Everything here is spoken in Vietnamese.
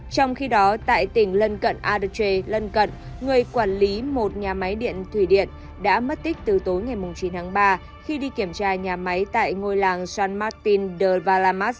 trong khi đó tại tỉnh lân cận aduche lân cận người quản lý một nhà máy điện thủy điện đã mất tích từ tối ngày chín tháng ba khi đi kiểm tra nhà máy tại ngôi làng san martin de vallamas